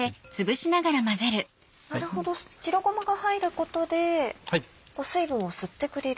なるほど白ごまが入ることで水分を吸ってくれる。